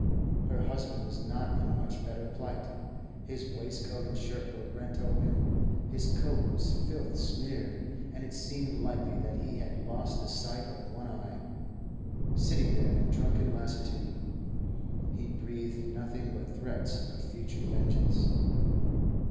Her husband was not in much better plight; his waistcoat and shirt were rent open, his coat was filth smeared, and it seemed likely that he had lost the sight of one eye. Sitting there in drunken lassitude, he breathed nothing but threats of future vengeance.